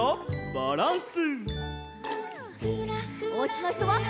バランス！